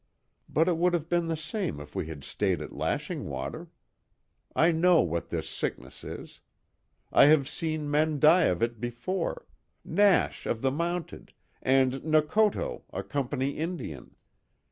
But, it would have been the same if we had stayed at Lashing Water. I know what this sickness is. I have seen men die of it before Nash, of the Mounted and Nokoto, a Company Indian.